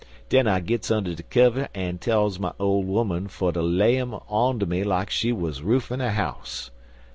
Den I gits under de kiver an' tells my ole 'oman fer ter lay 'em onto me like she was roofin' a house.